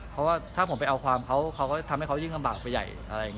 เพราะว่าถ้าผมไปเอาความเขาก็ทำให้เขายิ่งลำบากไปใหญ่